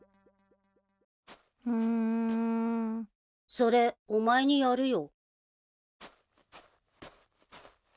それお前にやるよ。